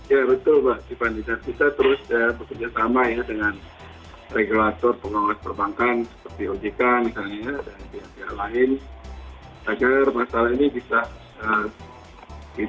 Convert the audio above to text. ya betul mbak kita terus bekerja sama ya dengan regulator pengawas perbankan seperti ojk misalnya dan pihak pihak lain